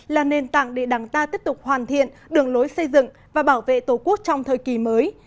là nền tảng để đảng ta tiếp tục hoàn thiện đường lối xây dựng và bảo vệ tổ quốc trong thời kỳ mới